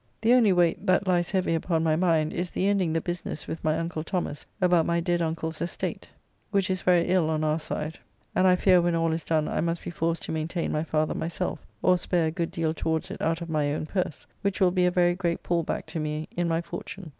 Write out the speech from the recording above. The only weight that lies heavy upon my mind is the ending the business with my uncle Thomas about my dead uncle's estate, which is very ill on our side, and I fear when all is done I must be forced to maintain my father myself, or spare a good deal towards it out of my own purse, which will be a very great pull back to me in my fortune.